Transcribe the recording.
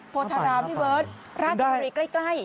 พตราร้ำพี่เฟิร์นแรอดไปใกล้